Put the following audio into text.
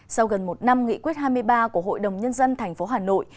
sau gần một năm nghị quyết hai mươi ba của hội đồng nhân dân thành phố hà nội